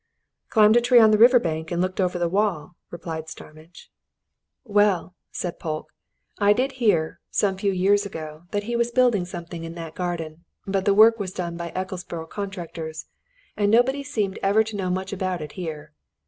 "Climbed a tree on the river bank and looked over the wall," replied Starmidge. "Well," said Polke, "I did hear, some few years ago, that he was building something in that garden, but the work was done by Ecclesborough contractors, and nobody ever knew much about it here.